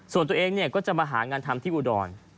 ส่วนตัวเองก็จะมาหางานทำที่อุดร